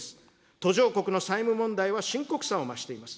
途上国の債務問題は深刻さを増しています。